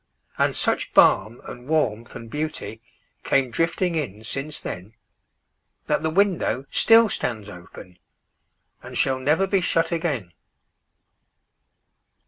And such balm and warmth and beautyCame drifting in since then, That the window still stands openAnd shall never be shut again.